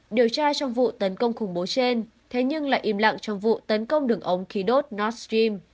điều tra trong vụ tấn công khủng bố trên thế nhưng lại im lặng trong vụ tấn công đường ống khí đốt northim